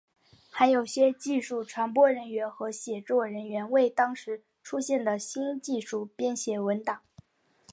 还有些技术传播人员和写作人员为当时出现的新技术编写文档。